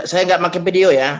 saya nggak pakai video ya